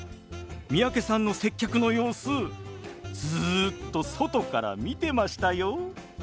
三宅さんの接客の様子ずっと外から見てましたよ。